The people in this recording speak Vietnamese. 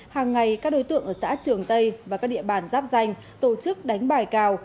hàng ngày các đối tượng ở xã trường tây và các địa bàn giáp danh tổ chức đánh bài cào